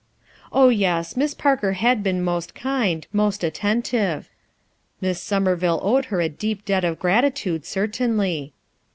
Oh, yes, Miss Parker had been most kind, most attentive; Miss Somcrville owed her a deep debt of gratitude, certainly.